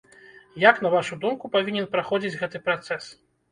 Як, на вашу думку, павінен праходзіць гэты працэс?